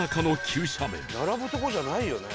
並ぶとこじゃないよね。